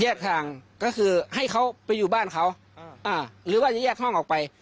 ทางก็คือให้เขาไปอยู่บ้านเขาหรือว่าจะแยกห้องออกไป